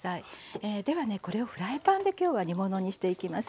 ではねこれをフライパンできょうは煮物にしていきます。